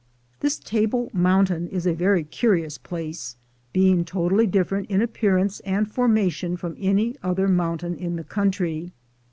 This Table Mountain is a very curious place, being totally different in appearance and formation from any other mountain in the country.